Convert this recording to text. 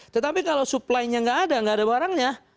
tetapi kalau supply nya nggak ada nggak ada barangnya